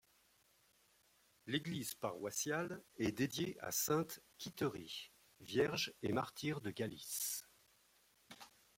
L'église paroissiale est dédiée à sainte Quitterie, vierge et martyre de Galice.